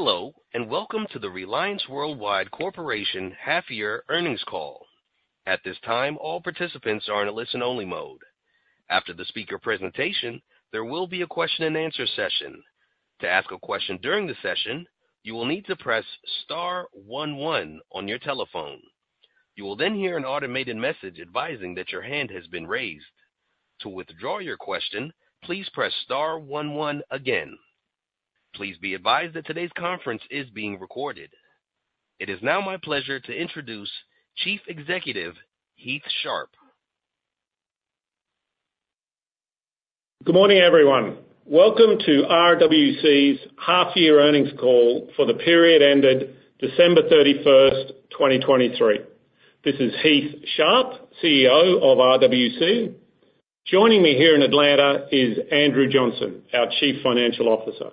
Hello and welcome to the Reliance Worldwide Corporation half-year earnings call. At this time, all participants are in a listen-only mode. After the speaker presentation, there will be a question-and-answer session. To ask a question during the session, you will need to press star one one on your telephone. You will then hear an automated message advising that your hand has been raised. To withdraw your question, please press star one one again. Please be advised that today's conference is being recorded. It is now my pleasure to introduce Chief Executive Heath Sharp. Good morning, everyone. Welcome to RWC's half-year earnings call for the period ended December 31st, 2023. This is Heath Sharp, CEO of RWC. Joining me here in Atlanta is Andrew Johnson, our Chief Financial Officer.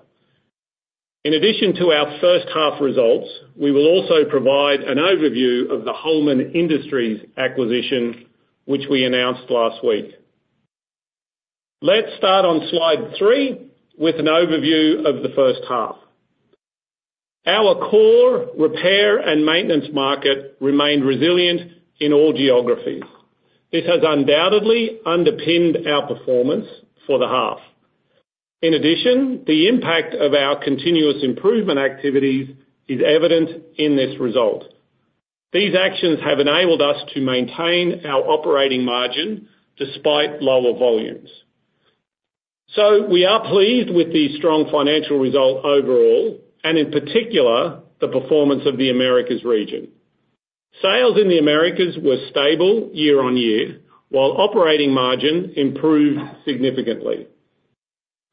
In addition to our first-half results, we will also provide an overview of the Holman Industries acquisition, which we announced last week. Let's start on slide three with an overview of the first half. Our core repair and maintenance market remained resilient in all geographies. This has undoubtedly underpinned our performance for the half. In addition, the impact of our continuous improvement activities is evident in this result. These actions have enabled us to maintain our operating margin despite lower volumes. So we are pleased with the strong financial result overall, and in particular, the performance of the Americas region. Sales in the Americas were stable year-over-year, while operating margin improved significantly.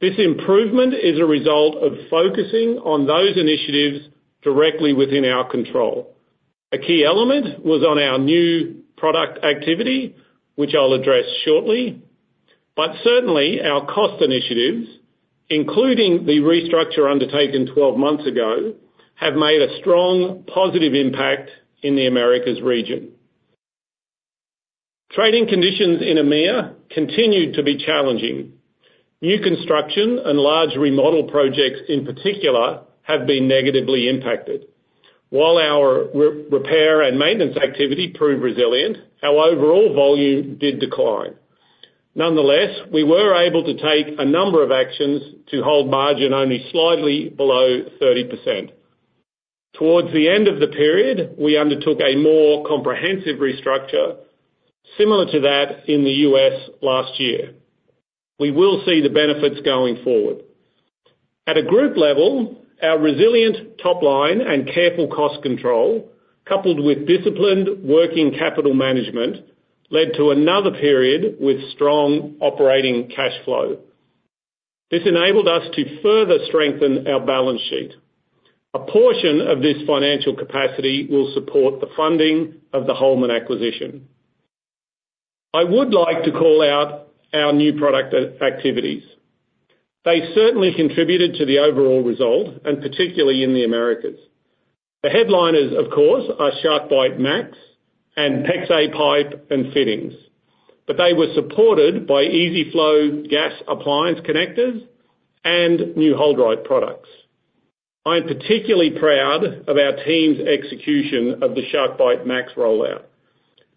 This improvement is a result of focusing on those initiatives directly within our control. A key element was on our new product activity, which I'll address shortly. But certainly, our cost initiatives, including the restructure undertaken 12 months ago, have made a strong, positive impact in the Americas region. Trading conditions in EMEA continued to be challenging. New construction and large remodel projects, in particular, have been negatively impacted. While our repair and maintenance activity proved resilient, our overall volume did decline. Nonetheless, we were able to take a number of actions to hold margin only slightly below 30%. Toward the end of the period, we undertook a more comprehensive restructure, similar to that in the U.S. last year. We will see the benefits going forward. At a group level, our resilient topline and careful cost control, coupled with disciplined working capital management, led to another period with strong operating cash flow. This enabled us to further strengthen our balance sheet. A portion of this financial capacity will support the funding of the Holman acquisition. I would like to call out our new product activities. They certainly contributed to the overall result, and particularly in the Americas. The headliners, of course, are SharkBite Max and PEX-A Pipe and Fittings, but they were supported by EZ-Flo gas appliance connectors and new HoldRite products. I am particularly proud of our team's execution of the SharkBite Max rollout.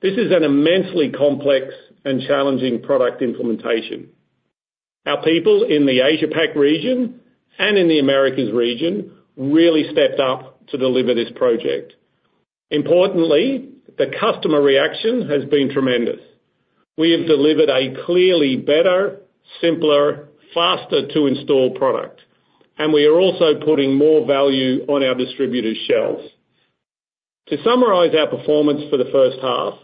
This is an immensely complex and challenging product implementation. Our people in the Asia-Pac region and in the Americas region really stepped up to deliver this project. Importantly, the customer reaction has been tremendous. We have delivered a clearly better, simpler, faster-to-install product, and we are also putting more value on our distributor's shelves. To summarize our performance for the first half,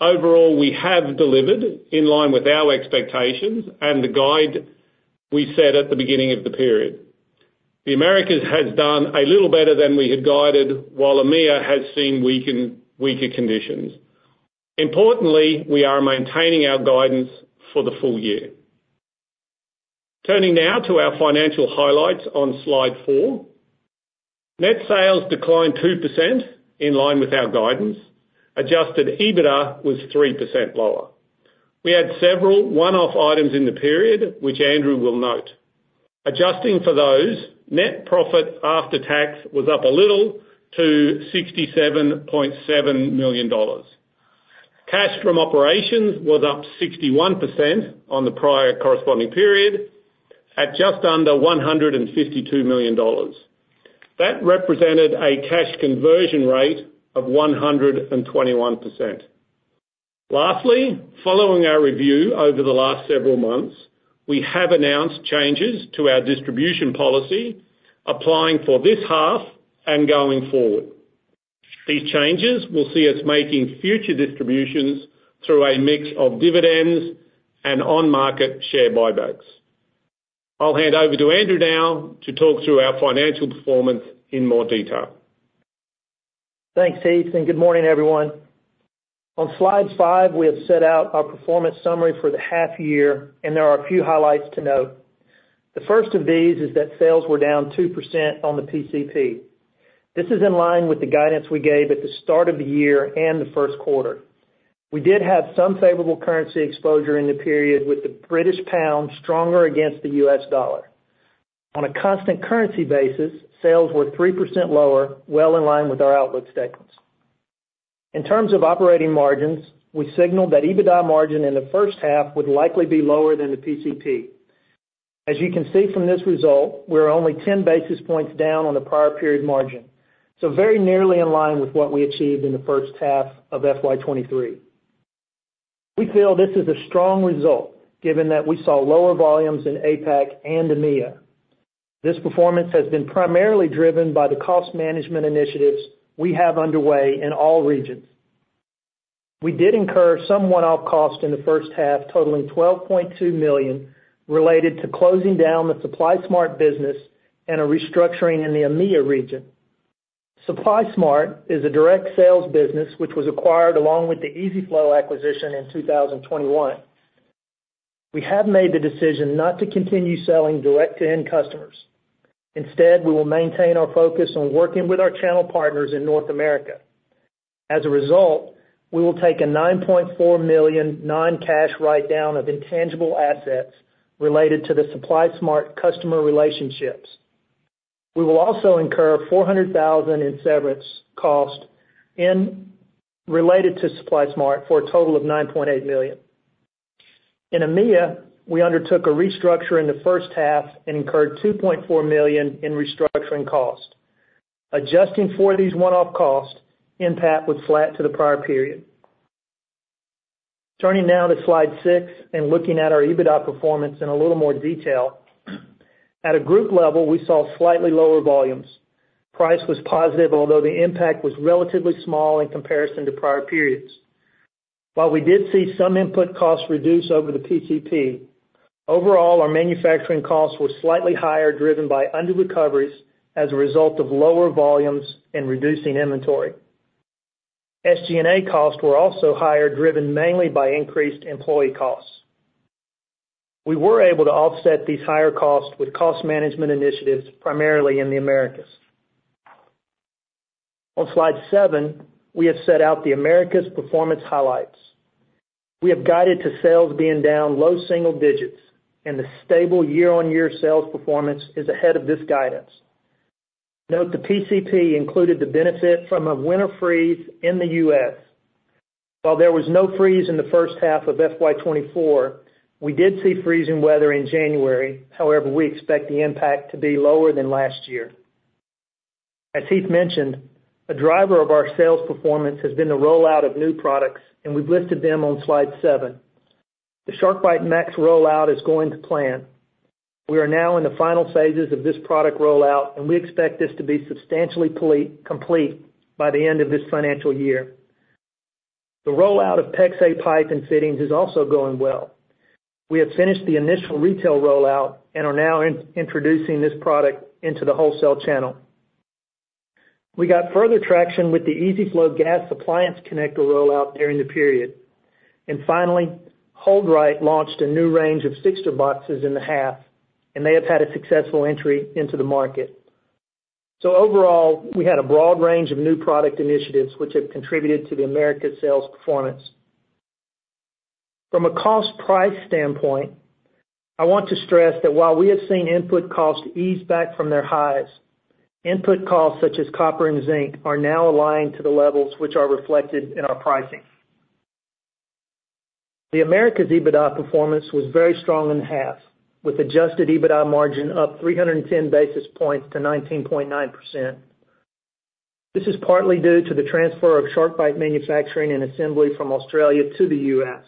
overall, we have delivered in line with our expectations and the guide we set at the beginning of the period. The Americas has done a little better than we had guided, while EMEA has seen weaker conditions. Importantly, we are maintaining our guidance for the full year. Turning now to our financial highlights on slide four. Net sales declined 2% in line with our guidance. Adjusted EBITDA was 3% lower. We had several one-off items in the period, which Andrew will note. Adjusting for those, net profit after tax was up a little to 67.7 million dollars. Cash from operations was up 61% on the prior corresponding period, at just under 152 million dollars. That represented a cash conversion rate of 121%. Lastly, following our review over the last several months, we have announced changes to our distribution policy applying for this half and going forward. These changes will see us making future distributions through a mix of dividends and on-market share buybacks. I'll hand over to Andrew now to talk through our financial performance in more detail. Thanks, Heath, and good morning, everyone. On slide five, we have set out our performance summary for the half-year, and there are a few highlights to note. The first of these is that sales were down 2% on the PCP. This is in line with the guidance we gave at the start of the year and the first quarter. We did have some favorable currency exposure in the period, with the British pound stronger against the U.S. dollar. On a constant currency basis, sales were 3% lower, well in line with our outlook statements. In terms of operating margins, we signalled that EBITDA margin in the first half would likely be lower than the PCP. As you can see from this result, we're only 10 basis points down on the prior period margin, so very nearly in line with what we achieved in the first half of FY 2023. We feel this is a strong result given that we saw lower volumes in APAC and EMEA. This performance has been primarily driven by the cost management initiatives we have underway in all regions. We did incur some one-off costs in the first half, totaling $12.2 million, related to closing down the SupplySmart business and a restructuring in the EMEA region. SupplySmart is a direct sales business which was acquired along with the EZ-Flo acquisition in 2021. We have made the decision not to continue selling direct-to-end customers. Instead, we will maintain our focus on working with our channel partners in North America. As a result, we will take a $9.4 million non-cash write-down of intangible assets related to the SupplySmart customer relationships. We will also incur $400,000 in severance costs related to SupplySmart for a total of $9.8 million. In EMEA, we undertook a restructure in the first half and incurred $2.4 million in restructuring costs. Adjusting for these one-off costs, impact was flat to the prior period. Turning now to slide 6 and looking at our EBITDA performance in a little more detail. At a group level, we saw slightly lower volumes. Price was positive, although the impact was relatively small in comparison to prior periods. While we did see some input costs reduce over the PCP, overall, our manufacturing costs were slightly higher, driven by under-recoveries as a result of lower volumes and reducing inventory. SG&A costs were also higher, driven mainly by increased employee costs. We were able to offset these higher costs with cost management initiatives, primarily in the Americas. On slide seven, we have set out the Americas performance highlights. We have guided to sales being down low single digits, and the stable year-on-year sales performance is ahead of this guidance. Note the PCP included the benefit from a winter freeze in the U.S. While there was no freeze in the first half of FY 2024, we did see freezing weather in January. However, we expect the impact to be lower than last year. As Heath mentioned, a driver of our sales performance has been the rollout of new products, and we've listed them on slide seven. The SharkBite Max rollout is going to plan. We are now in the final phases of this product rollout, and we expect this to be substantially complete by the end of this financial year. The rollout of PEX-A Pipe and Fittings is also going well. We have finished the initial retail rollout and are now introducing this product into the wholesale channel. We got further traction with the EZ-Flo gas appliance connector rollout during the period. And finally, HoldRite launched a new range of fixture boxes in the half, and they have had a successful entry into the market. So overall, we had a broad range of new product initiatives which have contributed to the Americas sales performance. From a cost-price standpoint, I want to stress that while we have seen input costs ease back from their highs, input costs such as copper and zinc are now aligned to the levels which are reflected in our pricing. The Americas EBITDA performance was very strong in the half, with adjusted EBITDA margin up 310 basis points to 19.9%. This is partly due to the transfer of SharkBite manufacturing and assembly from Australia to the U.S.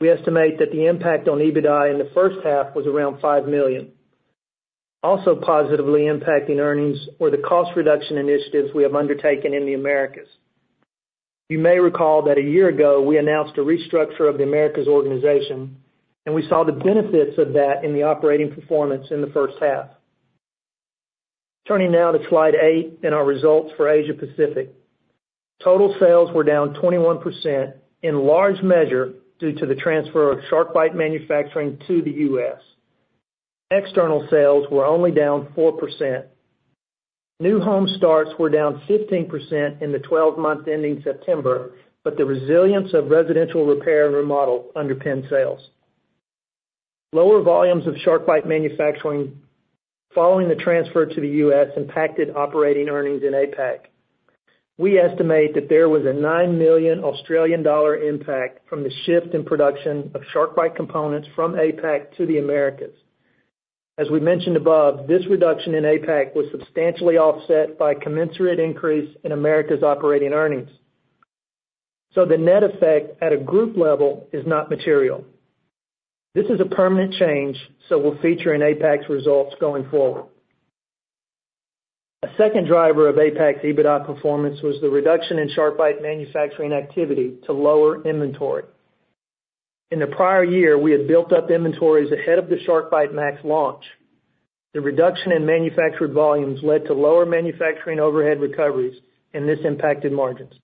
We estimate that the impact on EBITDA in the first half was around $5 million. Also positively impacting earnings were the cost reduction initiatives we have undertaken in the Americas. You may recall that a year ago, we announced a restructure of the Americas organization, and we saw the benefits of that in the operating performance in the first half. Turning now to slide eight and our results for Asia-Pacific. Total sales were down 21% in large measure due to the transfer of SharkBite manufacturing to the U.S.. External sales were only down 4%. New home starts were down 15% in the 12-month ending September, but the resilience of residential repair and remodel underpinned sales. Lower volumes of SharkBite manufacturing following the transfer to the U.S. impacted operating earnings in APAC. We estimate that there was a $9 million impact from the shift in production of SharkBite components from APAC to the Americas. As we mentioned above, this reduction in APAC was substantially offset by a commensurate increase in Americas operating earnings. So the net effect at a group level is not material. This is a permanent change, so we'll feature in APAC's results going forward. A second driver of APAC's EBITDA performance was the reduction in SharkBite manufacturing activity to lower inventory. In the prior year, we had built up inventories ahead of the SharkBite Max launch. The reduction in manufactured volumes led to lower manufacturing overhead recoveries, and this impacted margins.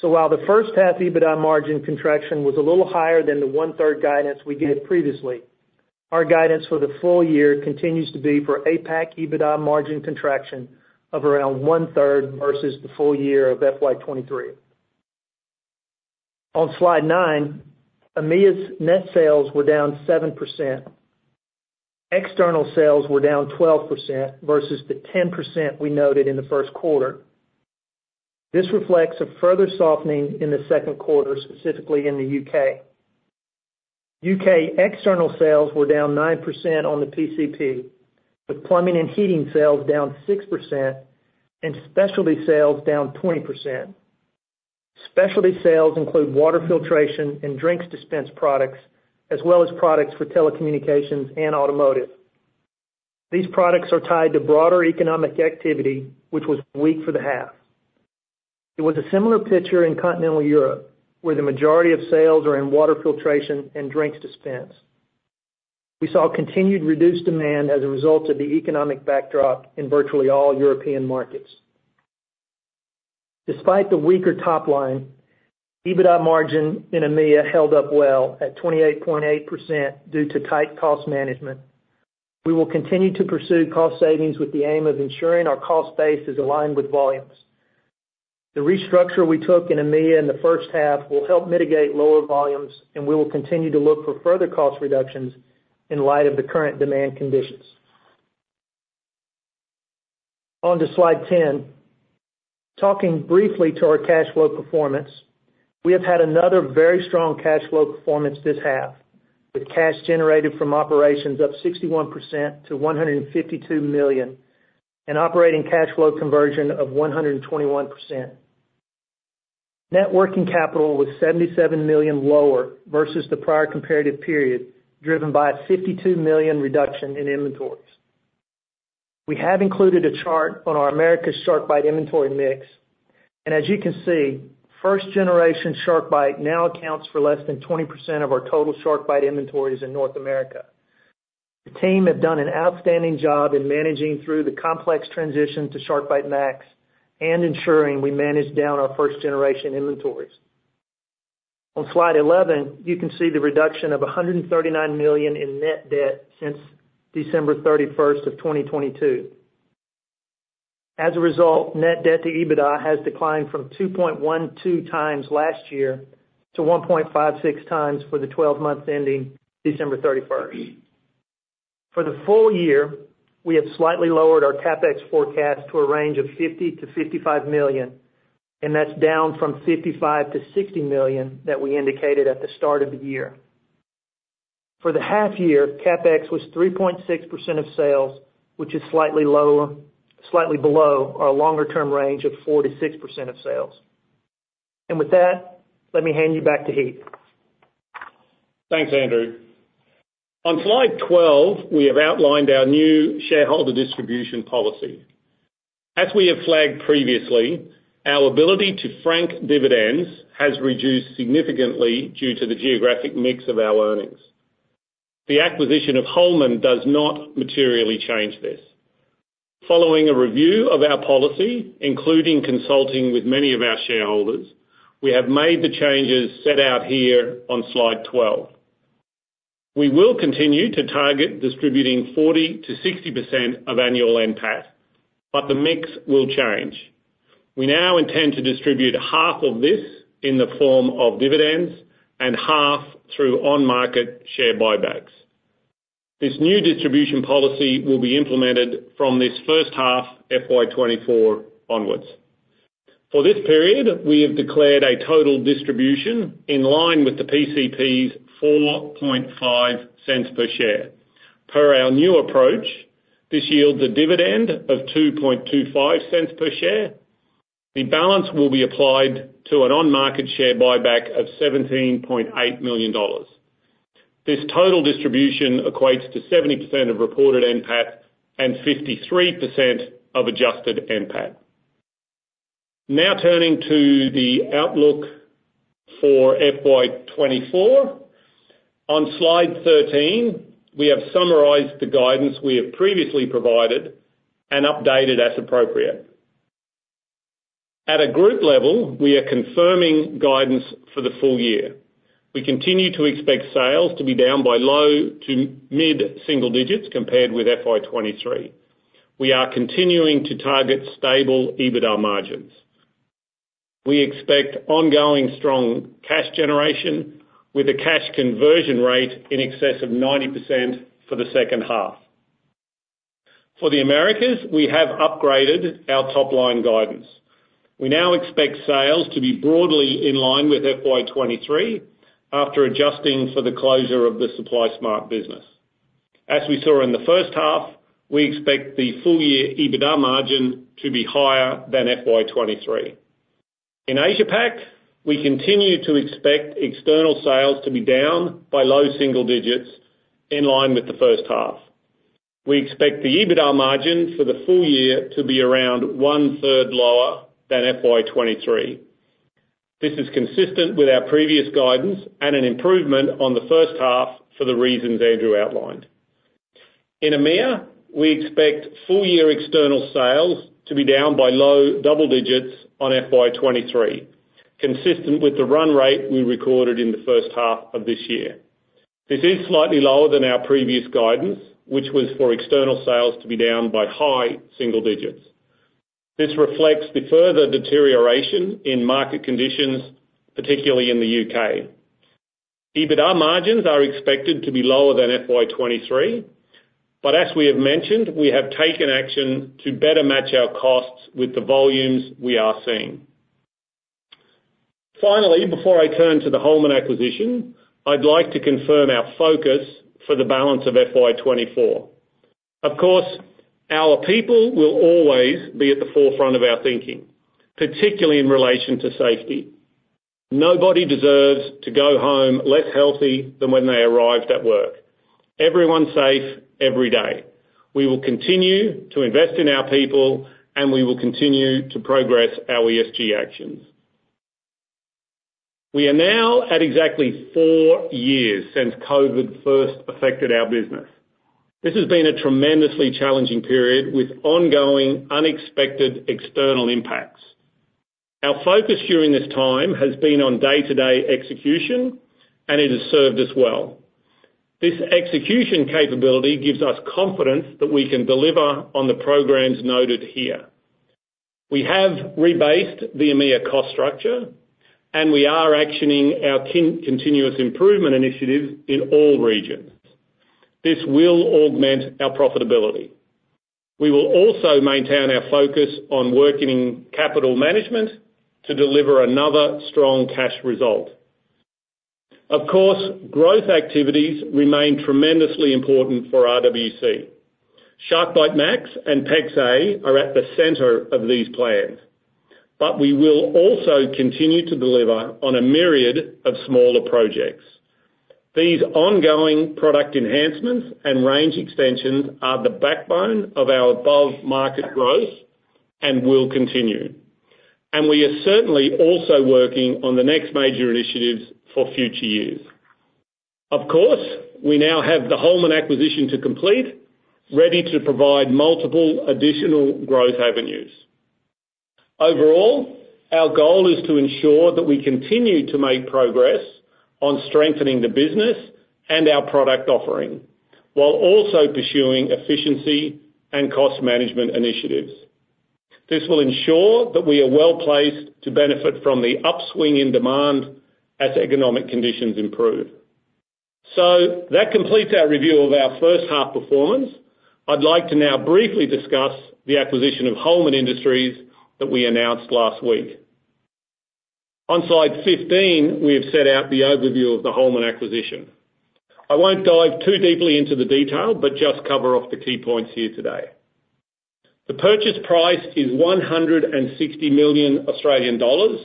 So while the first half EBITDA margin contraction was a little higher than the one-third guidance we gave previously, our guidance for the full year continues to be for APAC EBITDA margin contraction of around one-third versus the full year of FY 2023. On slide nine, EMEA's net sales were down 7%. External sales were down 12% versus the 10% we noted in the first quarter. This reflects a further softening in the second quarter, specifically in the U.K.. U.K. external sales were down 9% on the PCP, with plumbing and heating sales down 6% and specialty sales down 20%. Specialty sales include water filtration and drinks dispense products, as well as products for telecommunications and automotive. These products are tied to broader economic activity, which was weak for the half. It was a similar picture in continental Europe, where the majority of sales are in water filtration and drinks dispense. We saw continued reduced demand as a result of the economic backdrop in virtually all European markets. Despite the weaker topline, EBITDA margin in EMEA held up well at 28.8% due to tight cost management. We will continue to pursue cost savings with the aim of ensuring our cost base is aligned with volumes. The restructure we took in EMEA in the first half will help mitigate lower volumes, and we will continue to look for further cost reductions in light of the current demand conditions. Onto slide 10. Talking briefly to our cash flow performance, we have had another very strong cash flow performance this half, with cash generated from operations up 61% to $152 million, and operating cash flow conversion of 121%. Working capital was $77 million lower versus the prior comparative period, driven by a $52 million reduction in inventories. We have included a chart on our Americas SharkBite inventory mix, and as you can see, first-generation SharkBite now accounts for less than 20% of our total SharkBite inventories in North America. The team have done an outstanding job in managing through the complex transition to SharkBite Max and ensuring we manage down our first-generation inventories. On slide 11, you can see the reduction of $139 million in net debt since December 31st of 2022. As a result, net debt to EBITDA has declined from 2.12x year to 1.56x for the 12-month ending December 31st. For the full year, we have slightly lowered our CapEx forecast to a range of $50-$55 million, and that's down from $55-$60 million that we indicated at the start of the year. For the half-year, CapEx was 3.6% of sales, which is slightly below our longer-term range of 4%-6% of sales. With that, let me hand you back to Heath. Thanks, Andrew. On slide 12, we have outlined our new shareholder distribution policy. As we have flagged previously, our ability to frank dividends has reduced significantly due to the geographic mix of our earnings. The acquisition of Holman does not materially change this. Following a review of our policy, including consulting with many of our shareholders, we have made the changes set out here on slide 12. We will continue to target distributing 40%-60% of annual NPAT, but the mix will change. We now intend to distribute half of this in the form of dividends and half through on-market share buybacks. This new distribution policy will be implemented from this first half FY 2024 onwards. For this period, we have declared a total distribution in line with the PCP's 0.045 per share. Per our new approach, this yields a dividend of 0.0225 per share. The balance will be applied to an on-market share buyback of $17.8 million. This total distribution equates to 70% of reported NPAT and 53% of adjusted NPAT. Now turning to the outlook for FY 2024. On slide 13, we have summarized the guidance we have previously provided and updated as appropriate. At a group level, we are confirming guidance for the full year. We continue to expect sales to be down by low to mid single digits compared with FY 2023. We are continuing to target stable EBITDA margins. We expect ongoing strong cash generation with a cash conversion rate in excess of 90% for the second half. For the Americas, we have upgraded our topline guidance. We now expect sales to be broadly in line with FY 2023 after adjusting for the closure of the SupplySmart business. As we saw in the first half, we expect the full-year EBITDA margin to be higher than FY 2023. In Asia-Pacific, we continue to expect external sales to be down by low single digits in line with the first half. We expect the EBITDA margin for the full year to be around one-third lower than FY 2023. This is consistent with our previous guidance and an improvement on the first half for the reasons Andrew outlined. In EMEA, we expect full-year external sales to be down by low double digits on FY 2023, consistent with the run rate we recorded in the first half of this year. This is slightly lower than our previous guidance, which was for external sales to be down by high single digits. This reflects the further deterioration in market conditions, particularly in the U.K.. EBITDA margins are expected to be lower than FY 2023, but as we have mentioned, we have taken action to better match our costs with the volumes we are seeing. Finally, before I turn to the Holman acquisition, I'd like to confirm our focus for the balance of FY 2024. Of course, our people will always be at the forefront of our thinking, particularly in relation to safety. Nobody deserves to go home less healthy than when they arrived at work. Everyone safe every day. We will continue to invest in our people, and we will continue to progress our ESG actions. We are now at exactly 4 years since COVID first affected our business. This has been a tremendously challenging period with ongoing unexpected external impacts. Our focus during this time has been on day-to-day execution, and it has served us well. This execution capability gives us confidence that we can deliver on the programs noted here. We have rebased the EMEA cost structure, and we are actioning our continuous improvement initiatives in all regions. This will augment our profitability. We will also maintain our focus on working capital management to deliver another strong cash result. Of course, growth activities remain tremendously important for RWC. SharkBite Max and PEX-A are at the center of these plans, but we will also continue to deliver on a myriad of smaller projects. These ongoing product enhancements and range extensions are the backbone of our above-market growth and will continue. And we are certainly also working on the next major initiatives for future years. Of course, we now have the Holman acquisition to complete, ready to provide multiple additional growth avenues. Overall, our goal is to ensure that we continue to make progress on strengthening the business and our product offering while also pursuing efficiency and cost management initiatives. This will ensure that we are well placed to benefit from the upswing in demand as economic conditions improve. That completes our review of our first half performance. I'd like to now briefly discuss the acquisition of Holman Industries that we announced last week. On slide 15, we have set out the overview of the Holman acquisition. I won't dive too deeply into the detail, but just cover off the key points here today. The purchase price is 160 million Australian dollars,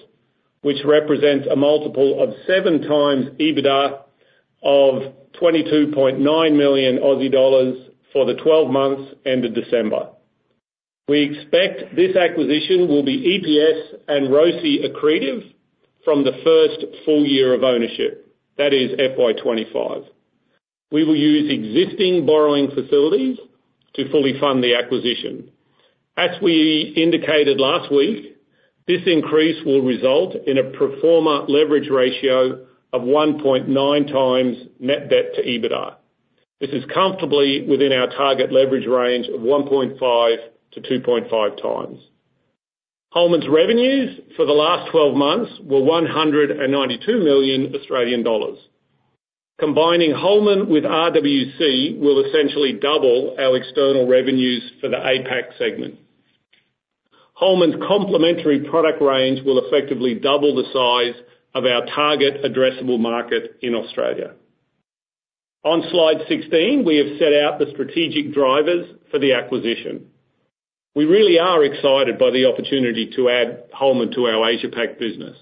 which represents a multiple of 7x EBITDA of 22.9 million Aussie dollars for the 12 months ended December. We expect this acquisition will be EPS and ROCE accretive from the first full year of ownership. That is FY 2025. We will use existing borrowing facilities to fully fund the acquisition. As we indicated last week, this increase will result in a pro forma leverage ratio of 1.9x net debt to EBITDA. This is comfortably within our target leverage range of 1.5-2.5x. Holman's revenues for the last 12 months were 192 million Australian dollars. Combining Holman with RWC will essentially double our external revenues for the APAC segment. Holman's complementary product range will effectively double the size of our target addressable market in Australia. On slide 16, we have set out the strategic drivers for the acquisition. We really are excited by the opportunity to add Holman to our Asia-Pac business.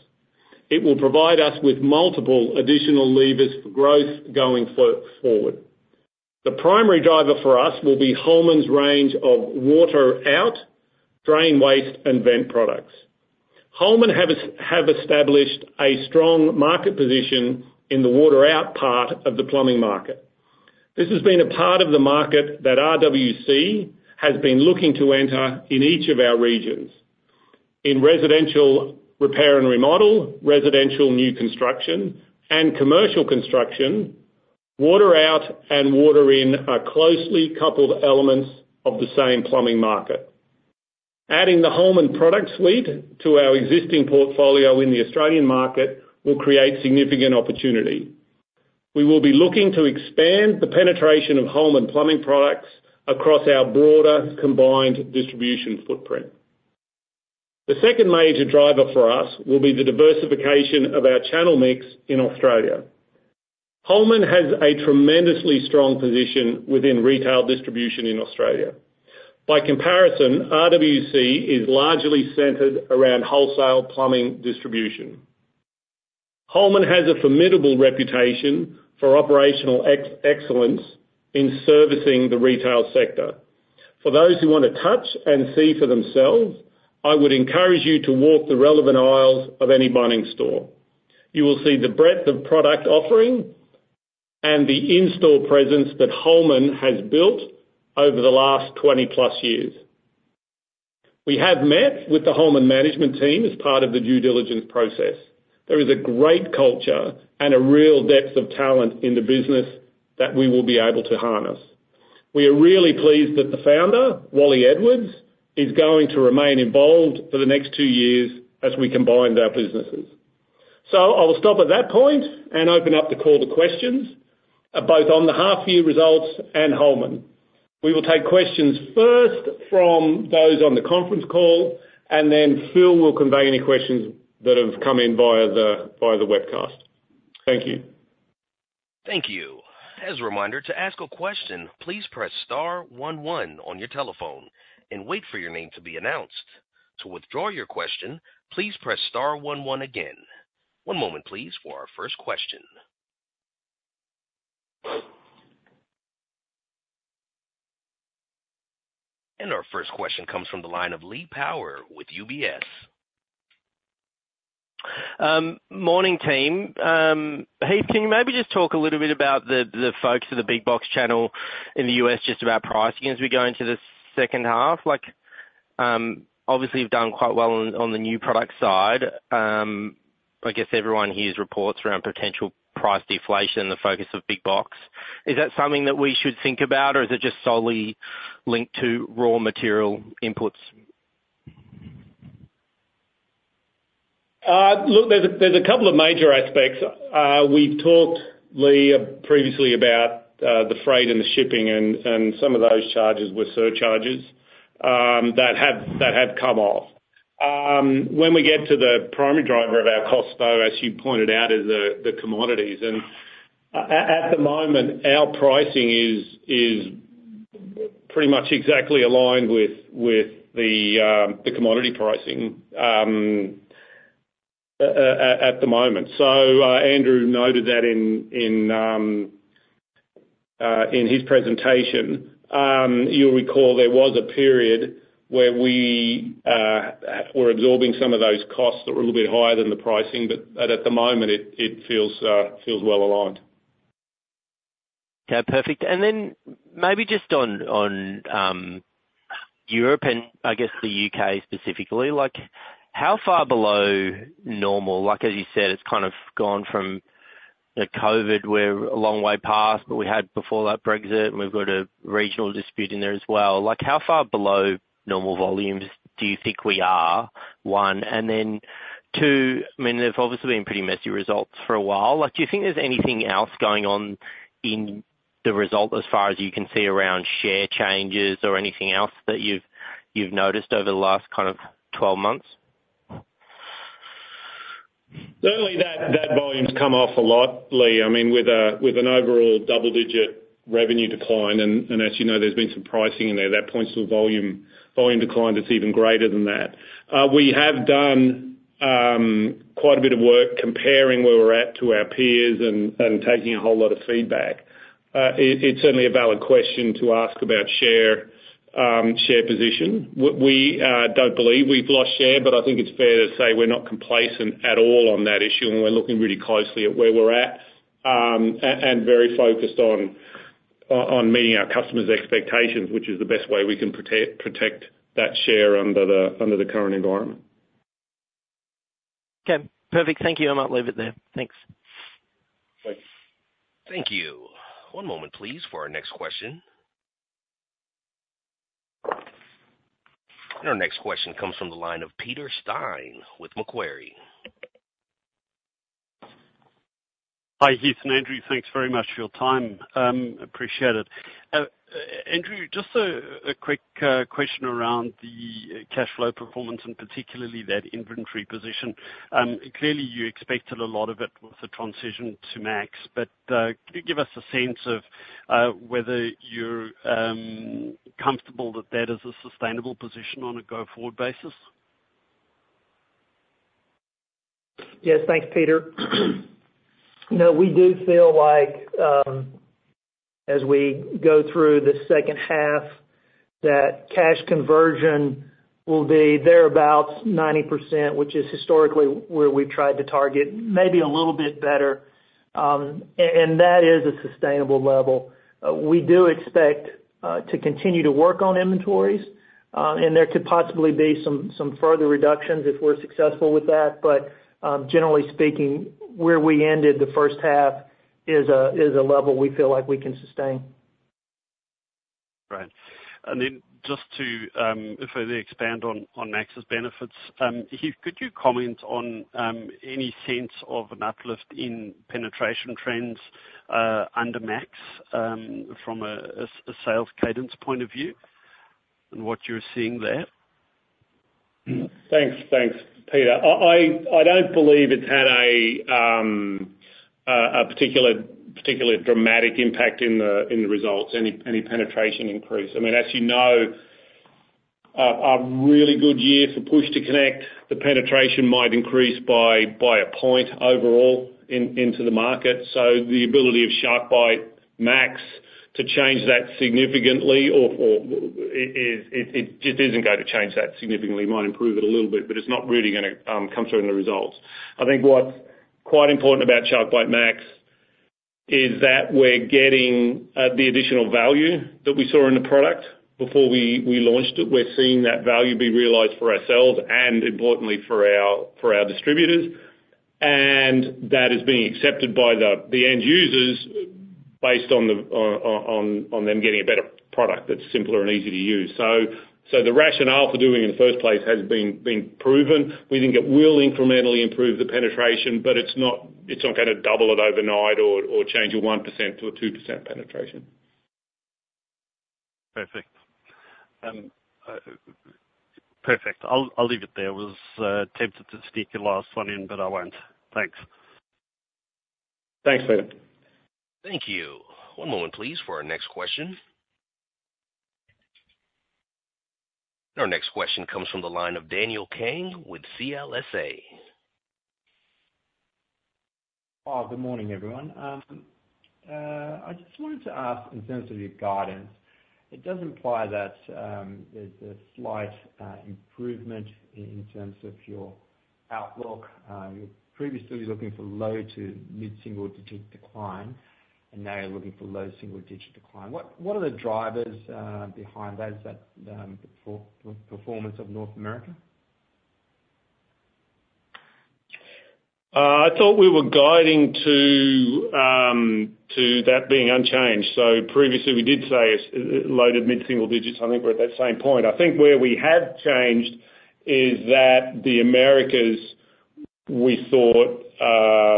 It will provide us with multiple additional levers for growth going forward. The primary driver for us will be Holman's range of water-out, drain waste, and vent products. Holman have established a strong market position in the water-out part of the plumbing market. This has been a part of the market that RWC has been looking to enter in each of our regions. In residential repair and remodel, residential new construction, and commercial construction, water-out and water-in are closely coupled elements of the same plumbing market. Adding the Holman product suite to our existing portfolio in the Australian market will create significant opportunity. We will be looking to expand the penetration of Holman plumbing products across our broader combined distribution footprint. The second major driver for us will be the diversification of our channel mix in Australia. Holman has a tremendously strong position within retail distribution in Australia. By comparison, RWC is largely centered around wholesale plumbing distribution. Holman has a formidable reputation for operational excellence in servicing the retail sector. For those who want to touch and see for themselves, I would encourage you to walk the relevant aisles of any mining store. You will see the breadth of product offering and the in-store presence that Holman has built over the last 20+ years. We have met with the Holman management team as part of the due diligence process. There is a great culture and a real depth of talent in the business that we will be able to harness. We are really pleased that the founder, Wally Edwards, is going to remain involved for the next two years as we combine our businesses. I will stop at that point and open up the call to questions both on the half-year results and Holman. We will take questions first from those on the conference call, and then Phil will convey any questions that have come in via the webcast. Thank you. Thank you. As a reminder, to ask a question, please press star one one on your telephone and wait for your name to be announced. To withdraw your question, please press star one one again. One moment, please, for our first question. Our first question comes from the line of Lee Power with UBS. Morning, team. Heath, can you maybe just talk a little bit about the folks at the Big Box channel in the U.S. just about pricing as we go into the second half? Obviously, you've done quite well on the new product side. I guess everyone hears reports around potential price deflation and the focus of Big Box. Is that something that we should think about, or is it just solely linked to raw material inputs? Look, there's a couple of major aspects. We've talked, Lee, previously about the freight and the shipping, and some of those charges were surcharges that have come off. When we get to the primary driver of our cost, though, as you pointed out, is the commodities. And at the moment, our pricing is pretty much exactly aligned with the commodity pricing at the moment. So Andrew noted that in his presentation. You'll recall there was a period where we were absorbing some of those costs that were a little bit higher than the pricing, but at the moment, it feels well aligned. Okay. Perfect. And then maybe just on Europe and, I guess, the U.K. specifically, how far below normal? As you said, it's kind of gone from COVID, we're a long way past, but we had before that Brexit, and we've got a regional dispute in there as well. How far below normal volumes do you think we are? One. And then two, I mean, there've obviously been pretty messy results for a while. Do you think there's anything else going on in the result as far as you can see around share changes or anything else that you've noticed over the last kind of 12 months? Certainly, that volume's come off a lot, Lee. I mean, with an overall double-digit revenue decline, and as you know, there's been some pricing in there. That points to a volume decline that's even greater than that. We have done quite a bit of work comparing where we're at to our peers and taking a whole lot of feedback. It's certainly a valid question to ask about share position. We don't believe we've lost share, but I think it's fair to say we're not complacent at all on that issue, and we're looking really closely at where we're at and very focused on meeting our customers' expectations, which is the best way we can protect that share under the current environment. Okay. Perfect. Thank you. I might leave it there. Thanks. Thank you. One moment, please, for our next question. Our next question comes from the line of Peter Steyn with Macquarie. Hi, Heath and Andrew. Thanks very much for your time. Appreciate it. Andrew, just a quick question around the cash flow performance and particularly that inventory position. Clearly, you expected a lot of it with the transition to Max, but could you give us a sense of whether you're comfortable that that is a sustainable position on a go-forward basis? Yes. Thanks, Peter. No, we do feel like as we go through the second half, that cash conversion will be thereabouts 90%, which is historically where we've tried to target, maybe a little bit better. And that is a sustainable level. We do expect to continue to work on inventories, and there could possibly be some further reductions if we're successful with that. But generally speaking, where we ended the first half is a level we feel like we can sustain. Right. And then, just to, if I may, expand on Max's benefits, Heath, could you comment on any sense of an uplift in penetration trends under Max from a sales cadence point of view and what you're seeing there? Thanks. Thanks, Peter. I don't believe it's had a particularly dramatic impact in the results, any penetration increase. I mean, as you know, a really good year for Push to Connect, the penetration might increase by a point overall into the market. So the ability of SharkBite Max to change that significantly or it just isn't going to change that significantly. It might improve it a little bit, but it's not really going to come through in the results. I think what's quite important about SharkBite Max is that we're getting the additional value that we saw in the product before we launched it. We're seeing that value be realized for ourselves and, importantly, for our distributors. And that is being accepted by the end users based on them getting a better product that's simpler and easy to use. So the rationale for doing it in the first place has been proven. We think it will incrementally improve the penetration, but it's not going to double it overnight or change your 1% to a 2% penetration. Perfect. Perfect. I'll leave it there. I was tempted to stick your last one in, but I won't. Thanks. Thanks, Peter. Thank you. One moment, please, for our next question. Our next question comes from the line of Daniel Kang with CLSA. Good morning, everyone. I just wanted to ask in terms of your guidance. It does imply that there's a slight improvement in terms of your outlook. Previously, you were looking for low to mid-single-digit decline, and now you're looking for low single-digit decline. What are the drivers behind that? Is that the performance of North America? I thought we were guiding to that being unchanged. So previously, we did say low to mid-single digits. I think we're at that same point. I think where we have changed is that the Americas, we thought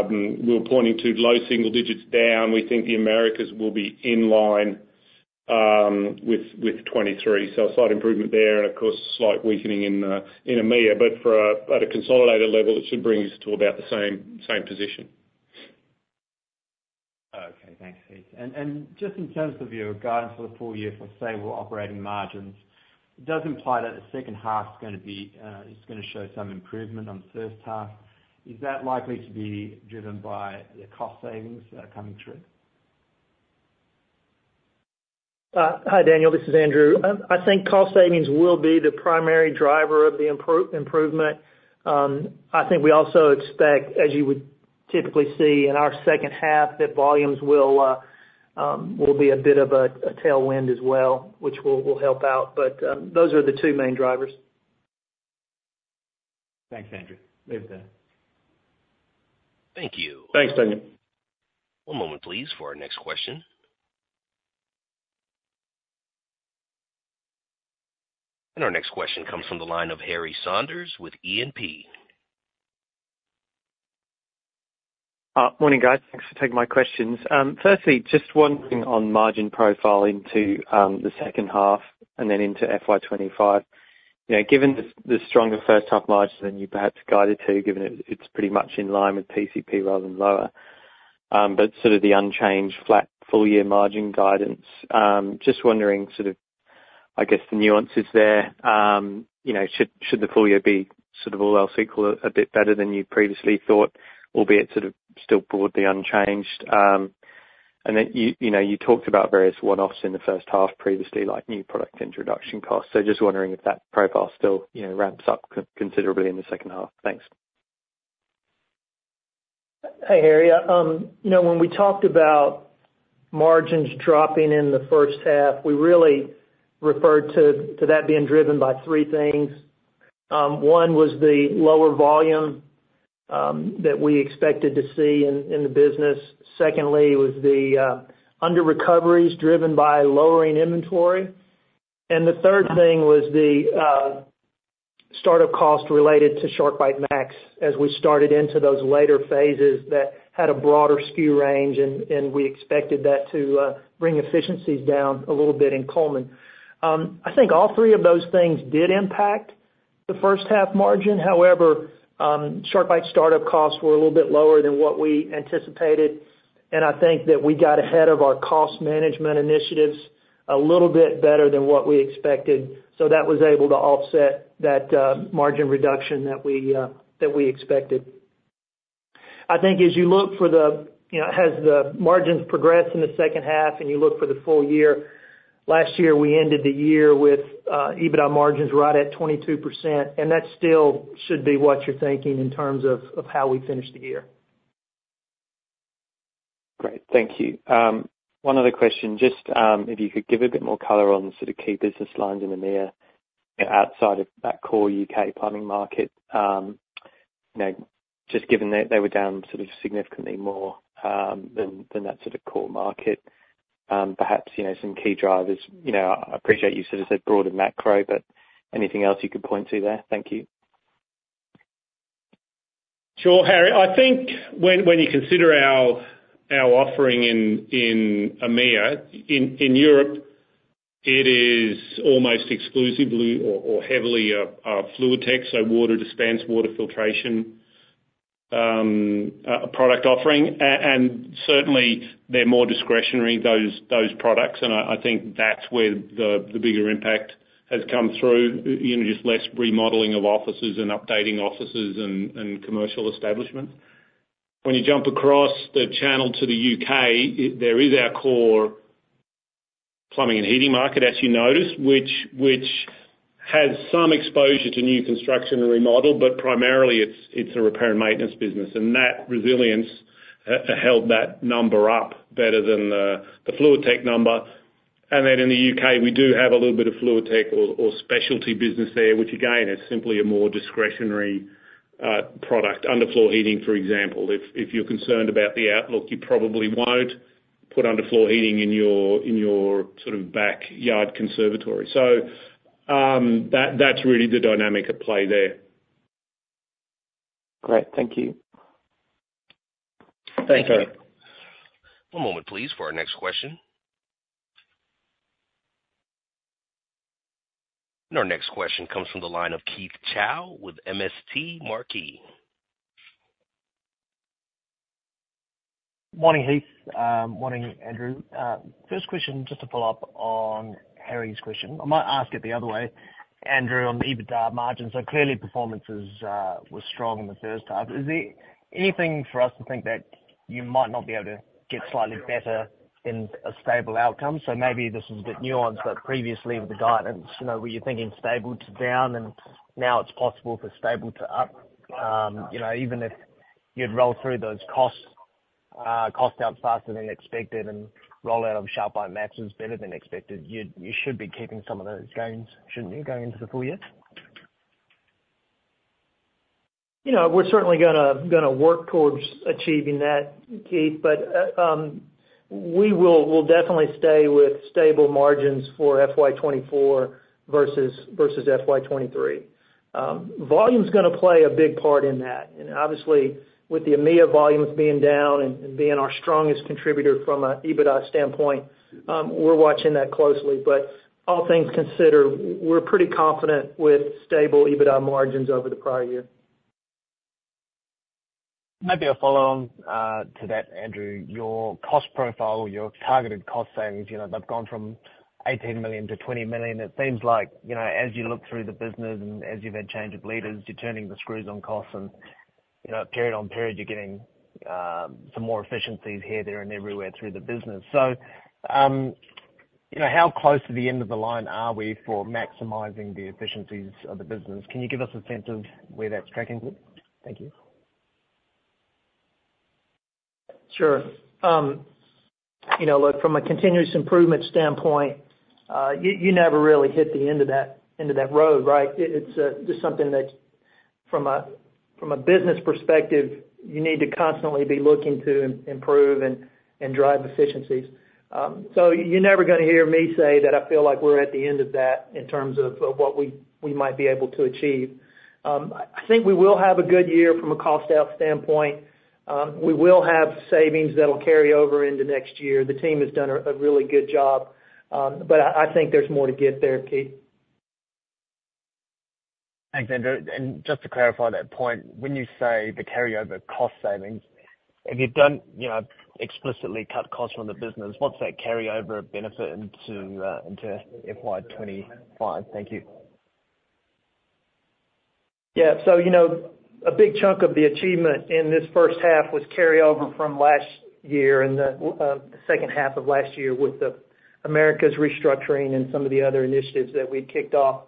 we were pointing to low single digits down. We think the Americas will be in line with 2023. So a slight improvement there and, of course, a slight weakening in EMEA. But at a consolidated level, it should bring us to about the same position. Okay. Thanks, Heath. Just in terms of your guidance for the full year for stable operating margins, it does imply that the second half is going to show some improvement on the first half. Is that likely to be driven by the cost savings that are coming through? Hi, Daniel. This is Andrew. I think cost savings will be the primary driver of the improvement. I think we also expect, as you would typically see in our second half, that volumes will be a bit of a tailwind as well, which will help out. But those are the two main drivers. Thanks, Andrew. Leave it there. Thank you. Thanks, Daniel. One moment, please, for our next question. Our next question comes from the line of Harry Saunders with E&P. Morning, guys. Thanks for taking my questions. Firstly, just wondering on margin profile into the second half and then into FY 2025. Given the stronger first-half margin than you perhaps guided to, given it's pretty much in line with PCP rather than lower, but sort of the unchanged flat full-year margin guidance, just wondering sort of, I guess, the nuances there. Should the full year be sort of all else equal a bit better than you previously thought, albeit sort of still broadly unchanged? And then you talked about various one-offs in the first half previously, like new product introduction costs. So just wondering if that profile still ramps up considerably in the second half. Thanks. Hi, Harry. When we talked about margins dropping in the first half, we really referred to that being driven by three things. One was the lower volume that we expected to see in the business. Secondly, it was the under-recoveries driven by lowering inventory. And the third thing was the startup cost related to SharkBite Max as we started into those later phases that had a broader skew range, and we expected that to bring efficiencies down a little bit in Cullman. I think all three of those things did impact the first-half margin. However, SharkBite startup costs were a little bit lower than what we anticipated. And I think that we got ahead of our cost management initiatives a little bit better than what we expected. So that was able to offset that margin reduction that we expected. I think as you look for the margins progress in the second half and you look for the full year, last year, we ended the year with EBITDA margins right at 22%. That still should be what you're thinking in terms of how we finished the year. Great. Thank you. One other question. Just if you could give a bit more color on sort of key business lines in EMEA outside of that core U.K. plumbing market, just given that they were down sort of significantly more than that sort of core market, perhaps some key drivers. I appreciate you sort of said broader macro, but anything else you could point to there? Thank you. Sure, Harry. I think when you consider our offering in EMEA, in Europe, it is almost exclusively or heavily a FluidTech, so water dispense, water filtration product offering. And certainly, they're more discretionary, those products. And I think that's where the bigger impact has come through, just less remodeling of offices and updating offices and commercial establishments. When you jump across the channel to the U.K., there is our core plumbing and heating market, as you noticed, which has some exposure to new construction and remodel, but primarily, it's a repair and maintenance business. And that resilience held that number up better than the FluidTech number. And then in the U.K., we do have a little bit of FluidTech or specialty business there, which, again, is simply a more discretionary product. Underfloor heating, for example, if you're concerned about the outlook, you probably won't put underfloor heating in your sort of backyard conservatory. So that's really the dynamic at play there. Great. Thank you. Thank you. One moment, please, for our next question. Our next question comes from the line of Keith Chau with MST Marquee. Morning, Heath. Morning, Andrew. First question, just to follow up on Harry's question. I might ask it the other way. Andrew, on the EBITDA margins, so clearly, performance was strong in the first half. Is there anything for us to think that you might not be able to get slightly better in a stable outcome? So maybe this is a bit nuanced, but previously, with the guidance, were you thinking stable to down, and now it's possible for stable to up? Even if you'd roll through those costs out faster than expected and rollout of SharkBite Max is better than expected, you should be keeping some of those gains, shouldn't you, going into the full year? We're certainly going to work towards achieving that, Keith. But we'll definitely stay with stable margins for FY 2024 versus FY 2023. Volume's going to play a big part in that. And obviously, with the EMEA volumes being down and being our strongest contributor from an EBITDA standpoint, we're watching that closely. But all things considered, we're pretty confident with stable EBITDA margins over the prior year. Maybe a follow-on to that, Andrew. Your cost profile, your targeted cost savings, they've gone from 18 million to 20 million. It seems like as you look through the business and as you've had change of leaders, you're turning the screws on costs. And period on period, you're getting some more efficiencies here, there, and everywhere through the business. So how close to the end of the line are we for maximizing the efficiencies of the business? Can you give us a sense of where that's tracking to? Thank you. Sure. Look, from a continuous improvement standpoint, you never really hit the end of that road, right? It's just something that, from a business perspective, you need to constantly be looking to improve and drive efficiencies. So you're never going to hear me say that I feel like we're at the end of that in terms of what we might be able to achieve. I think we will have a good year from a cost out standpoint. We will have savings that'll carry over into next year. The team has done a really good job. But I think there's more to get there, Keith. Thanks, Andrew. Just to clarify that point, when you say the carryover cost savings, if you've done explicitly cut costs from the business, what's that carryover benefit into FY 2025? Thank you. Yeah. So a big chunk of the achievement in this first half was carryover from last year and the second half of last year with America's restructuring and some of the other initiatives that we'd kicked off.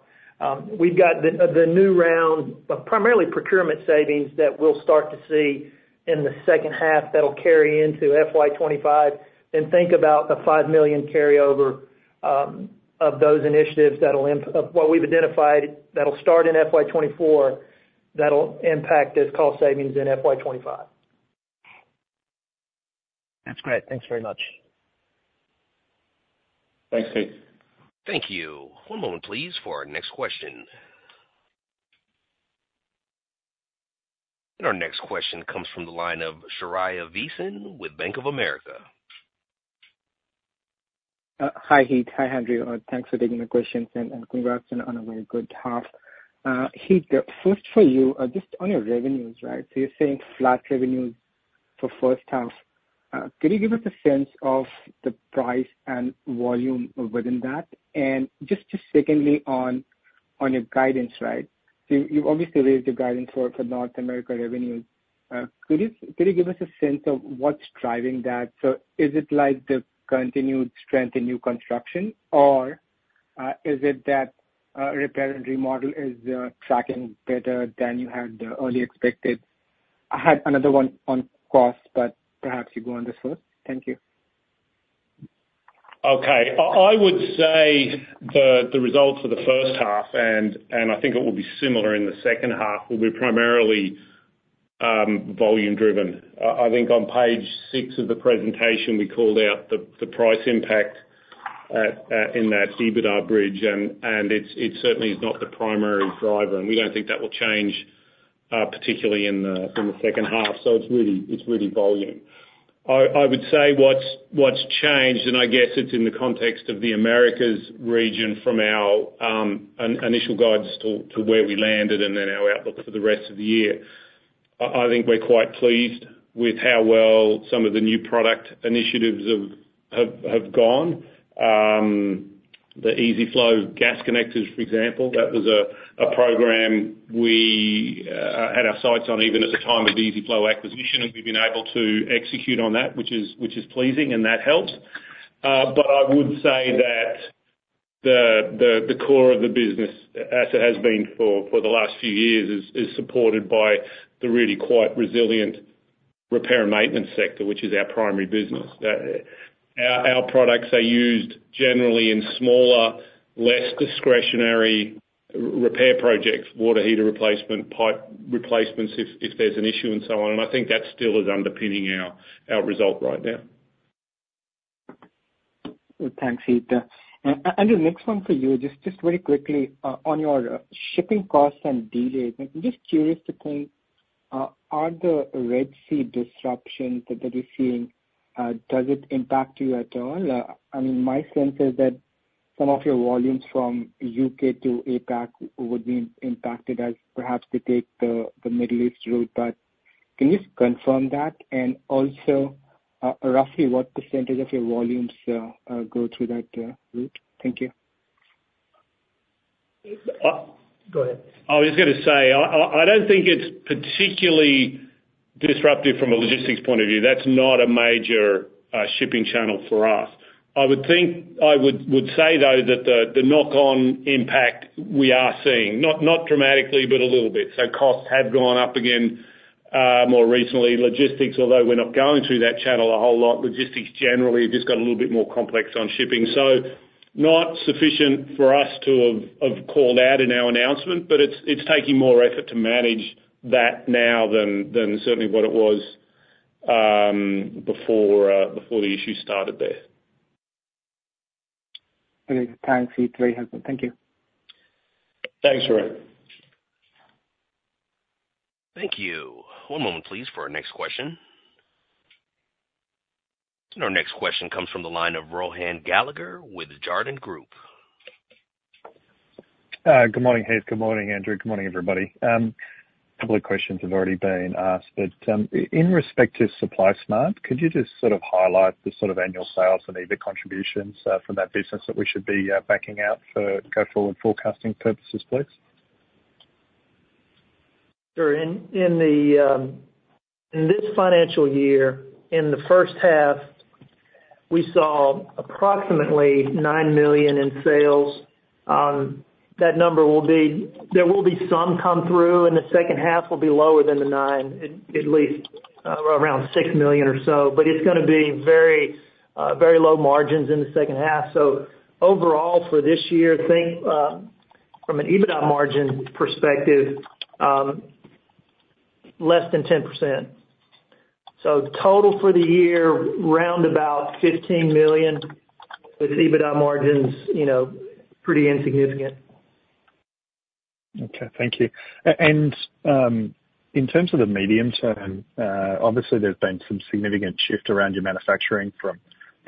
We've got the new round of primarily procurement savings that we'll start to see in the second half that'll carry into FY 2025. Then think about the $5 million carryover of those initiatives that'll of what we've identified that'll start in FY 2024 that'll impact those cost savings in FY 2025. That's great. Thanks very much. Thanks, Keith. Thank you. One moment, please, for our next question. Our next question comes from the line of Shaurya Visen with Bank of America. Hi, Heath. Hi, Andrew. Thanks for taking my questions. Congrats on a very good half. Heath, first for you, just on your revenues, right? So you're saying flat revenues for first half. Could you give us a sense of the price and volume within that? Just secondly, on your guidance, right? So you've obviously raised your guidance for North America revenues. Could you give us a sense of what's driving that? So is it the continued strength in new construction, or is it that repair and remodel is tracking better than you had early expected? I had another one on cost, but perhaps you go on this first. Thank you. Okay. I would say the results for the first half, and I think it will be similar in the second half, will be primarily volume-driven. I think on page six of the presentation, we called out the price impact in that EBITDA bridge. It certainly is not the primary driver. We don't think that will change particularly in the second half. It's really volume. I would say what's changed, and I guess it's in the context of the Americas region from our initial guidance to where we landed and then our outlook for the rest of the year. I think we're quite pleased with how well some of the new product initiatives have gone. The EZ-Flo gas connectors, for example, that was a program we had our sights on even at the time of the EZ-Flo acquisition. And we've been able to execute on that, which is pleasing, and that helps. But I would say that the core of the business, as it has been for the last few years, is supported by the really quite resilient repair and maintenance sector, which is our primary business. Our products are used generally in smaller, less discretionary repair projects, water heater replacement, pipe replacements if there's an issue, and so on. And I think that still is underpinning our result right now. Thanks, Heath. Andrew, next one for you. Just very quickly, on your shipping costs and delays, I'm just curious to think, are the Red Sea disruptions that you're seeing, does it impact you at all? I mean, my sense is that some of your volumes from U.K. to APAC would be impacted as perhaps they take the Middle East route. But can you just confirm that? And also, roughly, what percentage of your volumes go through that route? Thank you. Go ahead. I was going to say, I don't think it's particularly disruptive from a logistics point of view. That's not a major shipping channel for us. I would say, though, that the knock-on impact we are seeing, not dramatically, but a little bit. So costs have gone up again more recently. Logistics, although we're not going through that channel a whole lot, logistics generally have just got a little bit more complex on shipping. So not sufficient for us to have called out in our announcement, but it's taking more effort to manage that now than certainly what it was before the issue started there. Thanks, Heath. Very helpful. Thank you. Thanks, Shaurya. Thank you. One moment, please, for our next question. Our next question comes from the line of Rohan Gallagher with Jarden Group. Good morning, Heath. Good morning, Andrew. Good morning, everybody. A couple of questions have already been asked. But in respect to SupplySmart, could you just sort of highlight the sort of annual sales and EBIT contributions from that business that we should be backing out for go forward forecasting purposes, please? Sure. In this financial year, in the first half, we saw approximately $9 million in sales. That number will be; there will be some come through, and the second half will be lower than the $9 million, at least around $6 million or so. But it's going to be very low margins in the second half. So overall, for this year, I think from an EBITDA margin perspective, less than 10%. So total for the year, round about $15 million with EBITDA margins pretty insignificant. Okay. Thank you. In terms of the medium term, obviously, there's been some significant shift around your manufacturing from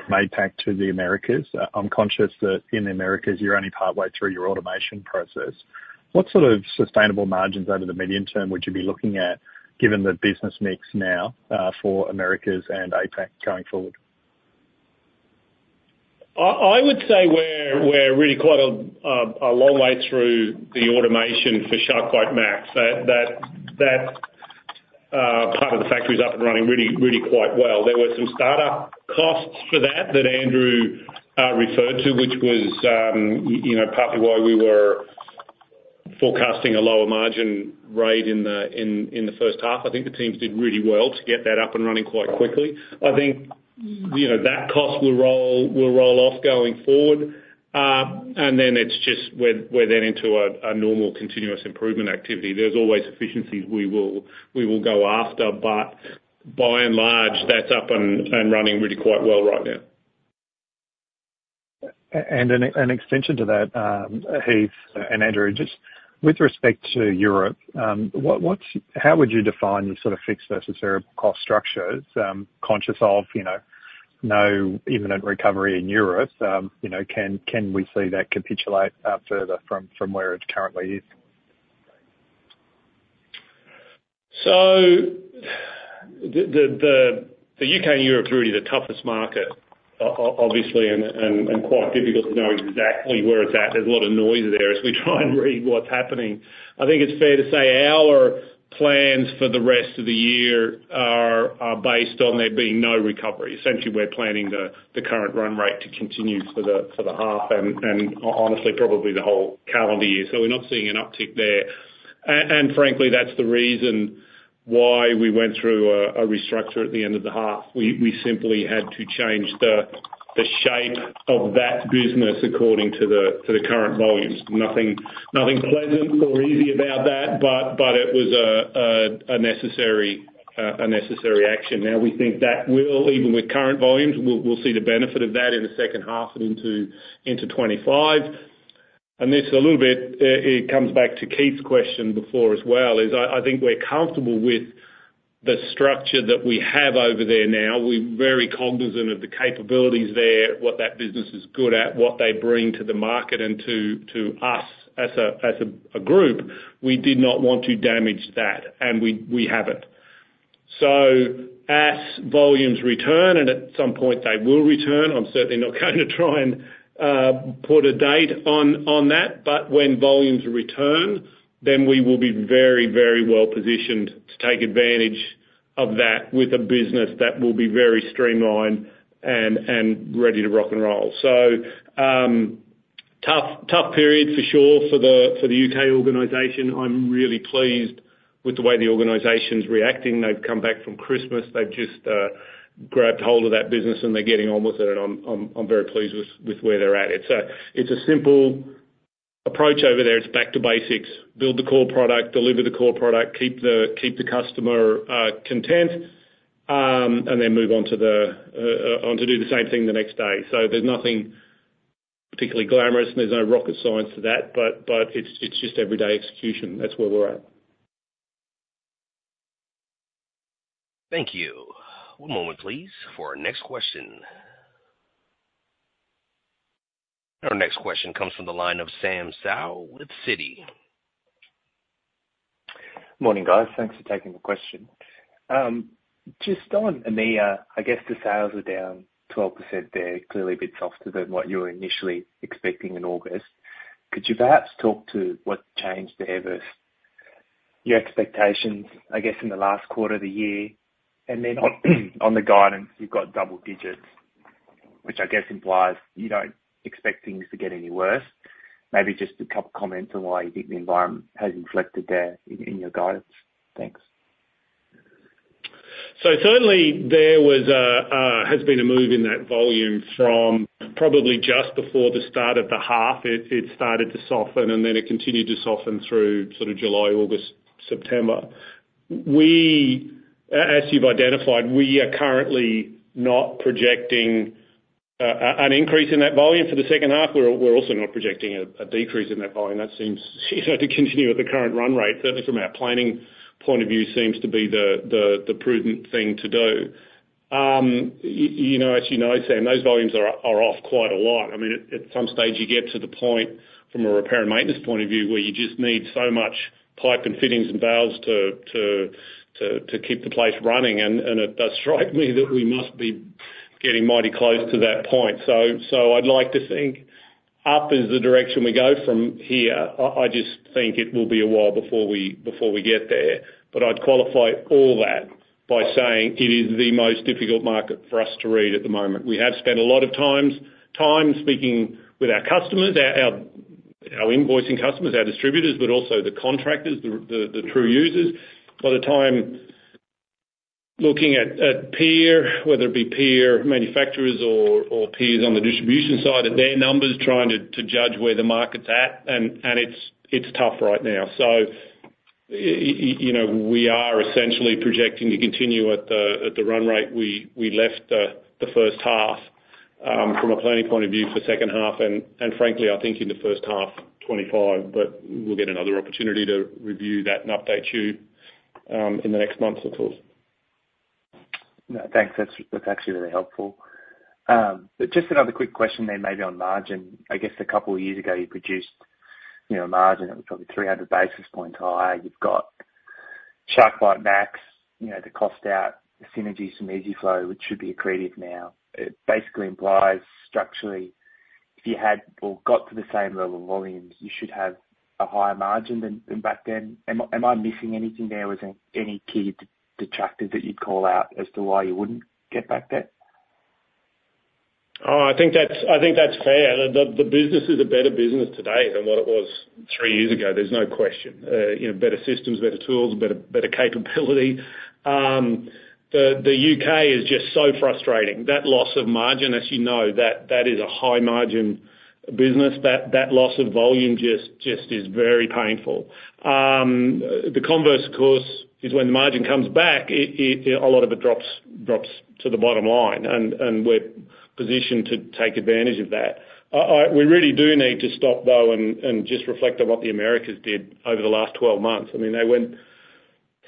APAC to the Americas. I'm conscious that in the Americas, you're only partway through your automation process. What sort of sustainable margins over the medium term would you be looking at, given the business mix now for Americas and APAC going forward? I would say we're really quite a long way through the automation for SharkBite Max. That part of the factory's up and running really quite well. There were some startup costs for that that Andrew referred to, which was partly why we were forecasting a lower margin rate in the first half. I think the teams did really well to get that up and running quite quickly. I think that cost will roll off going forward. And then it's just we're then into a normal continuous improvement activity. There's always efficiencies we will go after. But by and large, that's up and running really quite well right now. An extension to that, Heath and Andrew, just with respect to Europe, how would you define your sort of fixed versus variable cost structures? Conscious of no imminent recovery in Europe, can we see that capitulate further from where it currently is? So the U.K. and Europe is really the toughest market, obviously, and quite difficult to know exactly where it's at. There's a lot of noise there as we try and read what's happening. I think it's fair to say our plans for the rest of the year are based on there being no recovery. Essentially, we're planning the current run rate to continue for the half and, honestly, probably the whole calendar year. So we're not seeing an uptick there. And frankly, that's the reason why we went through a restructure at the end of the half. We simply had to change the shape of that business according to the current volumes. Nothing pleasant or easy about that, but it was a necessary action. Now, we think that will, even with current volumes, we'll see the benefit of that in the second half and into 2025. And this a little bit, it comes back to Keith's question before as well, is I think we're comfortable with the structure that we have over there now. We're very cognizant of the capabilities there, what that business is good at, what they bring to the market and to us as a group. We did not want to damage that, and we haven't. So as volumes return, and at some point, they will return, I'm certainly not going to try and put a date on that. But when volumes return, then we will be very, very well positioned to take advantage of that with a business that will be very streamlined and ready to rock and roll. So tough period for sure for the U.K. organization. I'm really pleased with the way the organization's reacting. They've come back from Christmas. They've just grabbed hold of that business, and they're getting on with it. I'm very pleased with where they're at. It's a simple approach over there. It's back to basics. Build the core product, deliver the core product, keep the customer content, and then move on to do the same thing the next day. There's nothing particularly glamorous. There's no rocket science to that, but it's just everyday execution. That's where we're at. Thank you. One moment, please, for our next question. Our next question comes from the line of Sam Seow with Citi. Morning, guys. Thanks for taking the question. Just on EMEA, I guess the sales are down 12% there, clearly a bit softer than what you were initially expecting in August. Could you perhaps talk to what changed there versus your expectations, I guess, in the last quarter of the year? And then on the guidance, you've got double digits, which I guess implies you don't expect things to get any worse. Maybe just a couple of comments on why you think the environment has inflected there in your guidance. Thanks. So certainly, there has been a move in that volume from probably just before the start of the half. It started to soften, and then it continued to soften through sort of July, August, September. As you've identified, we are currently not projecting an increase in that volume for the second half. We're also not projecting a decrease in that volume. That seems to continue at the current run rate. Certainly, from our planning point of view, seems to be the prudent thing to do. As you know, Sam, those volumes are off quite a lot. I mean, at some stage, you get to the point from a repair and maintenance point of view where you just need so much pipe and fittings and valves to keep the place running. And it does strike me that we must be getting mighty close to that point. So, I'd like to think up is the direction we go from here. I just think it will be a while before we get there. But I'd qualify all that by saying it is the most difficult market for us to read at the moment. We have spent a lot of time speaking with our customers, our invoicing customers, our distributors, but also the contractors, the true users. By the time looking at peer, whether it be peer manufacturers or peers on the distribution side at their numbers, trying to judge where the market's at, and it's tough right now. So we are essentially projecting to continue at the run rate we left the first half from a planning point of view for second half. And frankly, I think in the first half, 2025. We'll get another opportunity to review that and update you in the next months, of course. No, thanks. That's actually really helpful. But just another quick question there, maybe on margin. I guess a couple of years ago, you produced a margin that was probably 300 basis points higher. You've got SharkBite Max, the cost out, the synergy from EZ-Flo, which should be accretive now. It basically implies, structurally, if you had or got to the same level of volumes, you should have a higher margin than back then. Am I missing anything there? Was there any key detractors that you'd call out as to why you wouldn't get back there? Oh, I think that's fair. The business is a better business today than what it was three years ago. There's no question. Better systems, better tools, better capability. The U.K. is just so frustrating. That loss of margin, as you know, that is a high-margin business. That loss of volume just is very painful. The converse, of course, is when the margin comes back, a lot of it drops to the bottom line. And we're positioned to take advantage of that. We really do need to stop, though, and just reflect on what the Americas did over the last 12 months. I mean, they went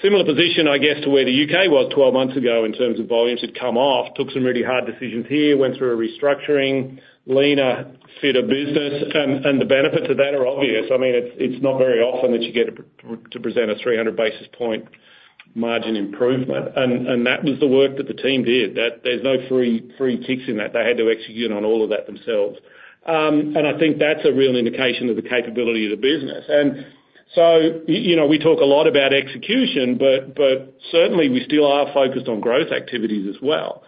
similar position, I guess, to where the U.K. was 12 months ago in terms of volumes. It come off, took some really hard decisions here, went through a restructuring, leaner, fitter business. And the benefits of that are obvious. I mean, it's not very often that you get to present a 300 basis point margin improvement. And that was the work that the team did. There's no free kicks in that. They had to execute on all of that themselves. And I think that's a real indication of the capability of the business. And so we talk a lot about execution, but certainly, we still are focused on growth activities as well.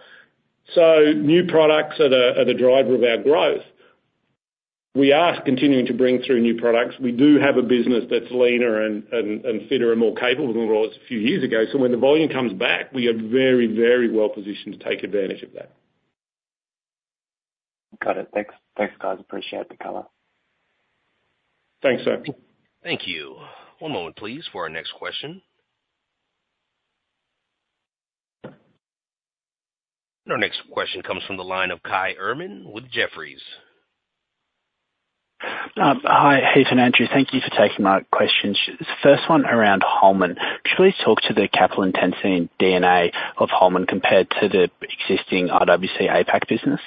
So new products are the driver of our growth. We are continuing to bring through new products. We do have a business that's leaner and fitter and more capable than what it was a few years ago. So when the volume comes back, we are very, very well positioned to take advantage of that. Got it. Thanks, guys. Appreciate the color. Thanks, sir. Thank you. One moment, please, for our next question. Our next question comes from the line of Kai Erman with Jefferies. Hi, Heath and Andrew. Thank you for taking my questions. The first one around Holman. Could you please talk to the capital intensity and DNA of Holman compared to the existing RWC APAC business?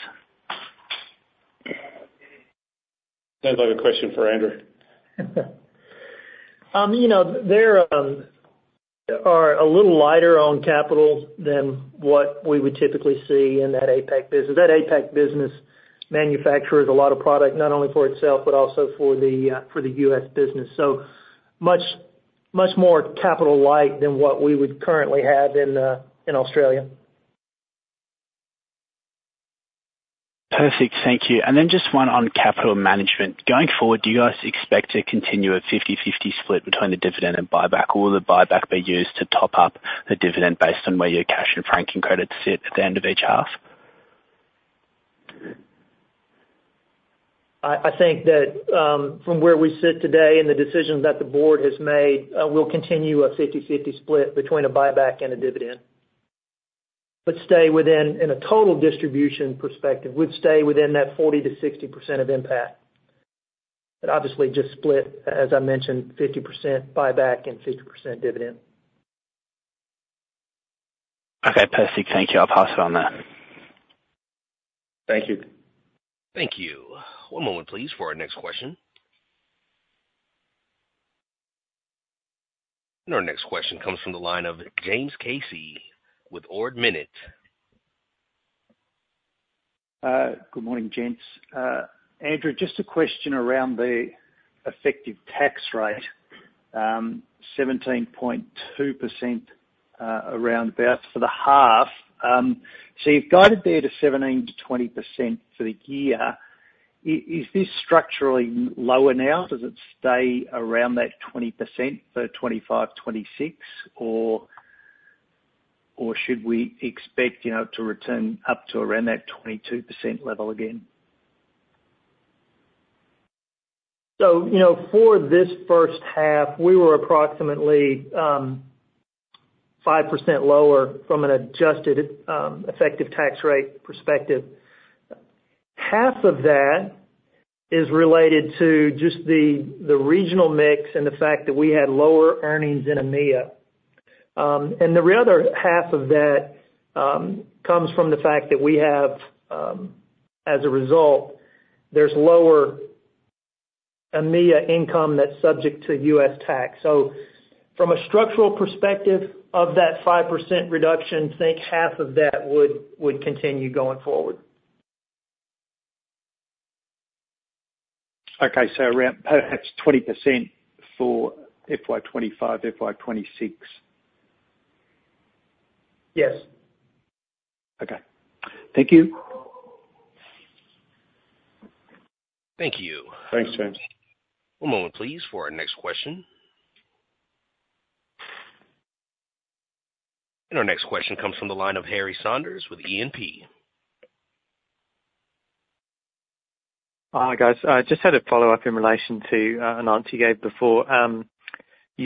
Sounds like a question for Andrew. They're a little light on capital than what we would typically see in that APAC business. That APAC business manufactures a lot of product, not only for itself, but also for the U.S. business. So much more capital-light than what we would currently have in Australia. Perfect. Thank you. And then just one on capital management. Going forward, do you guys expect to continue a 50/50 split between the dividend and buyback? Or will the buyback be used to top up the dividend based on where your cash and franking credits sit at the end of each half? I think that from where we sit today and the decisions that the board has made, we'll continue a 50/50 split between a buyback and a dividend. But stay within a total distribution perspective, we'd stay within that 40%-60% of impact. But obviously, just split, as I mentioned, 50% buyback and 50% dividend. Okay. Perfect. Thank you. I'll pass it on there. Thank you. Thank you. One moment, please, for our next question. Our next question comes from the line of James Casey with Ord Minnett. Good morning, gents. Andrew, just a question around the effective tax rate, 17.2% around about for the half. So you've guided there to 17%-20% for the year. Is this structurally lower now? Does it stay around that 20% for 2025, 2026? Or should we expect it to return up to around that 22% level again? For this first half, we were approximately 5% lower from an adjusted effective tax rate perspective. Half of that is related to just the regional mix and the fact that we had lower earnings in EMEA. The other half of that comes from the fact that we have, as a result, there's lower EMEA income that's subject to U.S. tax. From a structural perspective of that 5% reduction, think half of that would continue going forward. Okay. So a ramp, perhaps, 20% for FY 2025, FY 2026? Yes. Okay. Thank you. Thank you. Thanks, James. One moment, please, for our next question. Our next question comes from the line of Harry Saunders with E&P. Hi, guys. I just had a follow-up in relation to an answer you gave before.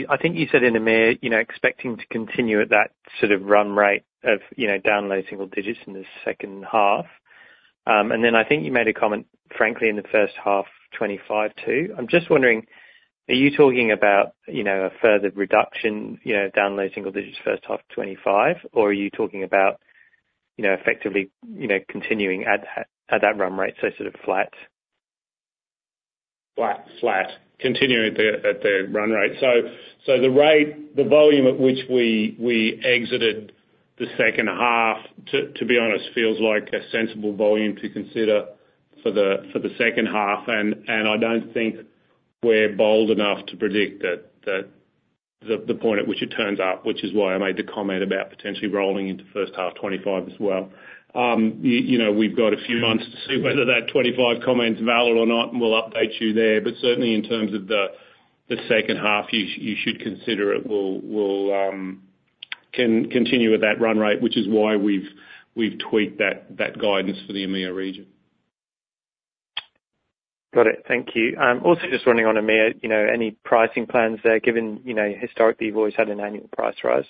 I think you said in EMEA expecting to continue at that sort of run rate of declining single digits in the second half. And then I think you made a comment, frankly, in the first half, 2025 too. I'm just wondering, are you talking about a further reduction, declining single digits first half, 2025? Or are you talking about effectively continuing at that run rate, so sort of flat? Flat. Continuing at the run rate. So the volume at which we exited the second half, to be honest, feels like a sensible volume to consider for the second half. I don't think we're bold enough to predict the point at which it turns up, which is why I made the comment about potentially rolling into first half 2025 as well. We've got a few months to see whether that 2025 comment's valid or not, and we'll update you there. But certainly, in terms of the second half, you should consider it will continue at that run rate, which is why we've tweaked that guidance for the Americas region. Got it. Thank you. Also, just running on Americas, any pricing plans there, given historically, you've always had an annual price rise?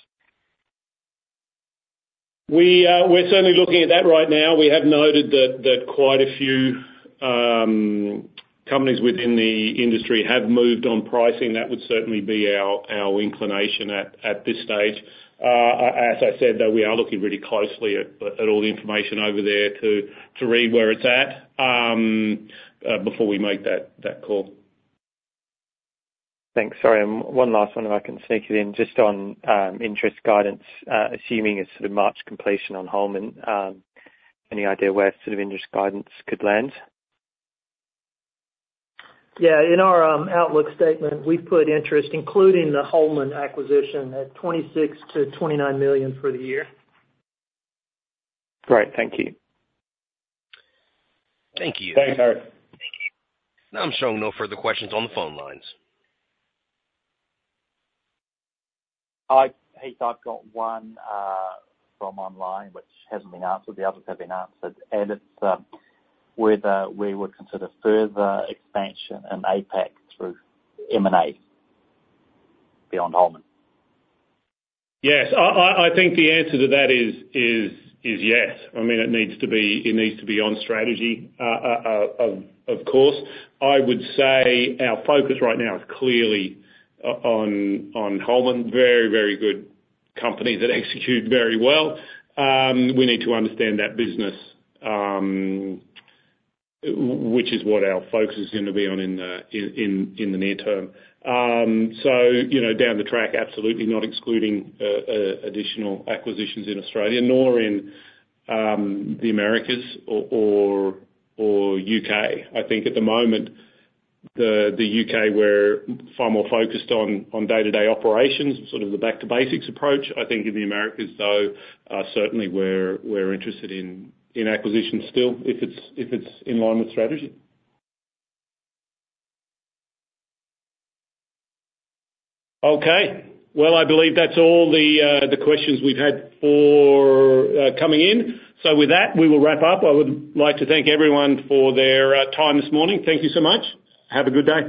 We're certainly looking at that right now. We have noted that quite a few companies within the industry have moved on pricing. That would certainly be our inclination at this stage. As I said, though, we are looking really closely at all the information over there to read where it's at before we make that call. Thanks. Sorry. One last one, if I can sneak it in, just on interest guidance, assuming it's sort of March completion on Holman, any idea where sort of interest guidance could land? Yeah. In our outlook statement, we've put interest, including the Holman acquisition, at 26-29 million for the year. Great. Thank you. Thank you. Thanks, Harry. Thank you. Now I'm showing no further questions on the phone lines. Hi, Heath. I've got one from online, which hasn't been answered. The others have been answered. It's whether we would consider further expansion in APAC through M&A beyond Holman. Yes. I think the answer to that is yes. I mean, it needs to be it needs to be on strategy, of course. I would say our focus right now is clearly on Holman. Very, very good company that execute very well. We need to understand that business, which is what our focus is going to be on in the near term. So down the track, absolutely not excluding additional acquisitions in Australia, nor in the Americas or U.K.. I think at the moment, the U.K., we're far more focused on day-to-day operations, sort of the back-to-basics approach. I think in the Americas, though, certainly, we're interested in acquisitions still if it's in line with strategy. Okay. Well, I believe that's all the questions we've had coming in. So with that, we will wrap up. I would like to thank everyone for their time this morning. Thank you so much. Have a good day.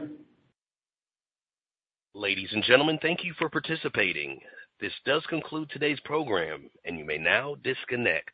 Ladies and gentlemen, thank you for participating. This does conclude today's program, and you may now disconnect.